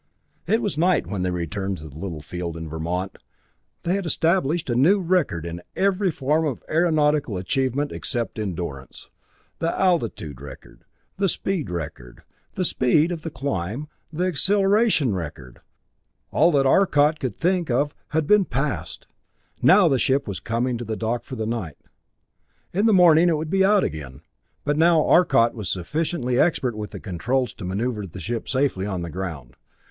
It was night when they returned to the little field in Vermont. They had established a new record in every form of aeronautical achievement except endurance! The altitude record, the speed record, the speed of climb, the acceleration record all that Arcot could think of had been passed. Now the ship was coming to dock for the night. In the morning it would be out again. But now Arcot was sufficiently expert with the controls to maneuver the ship safely on the ground.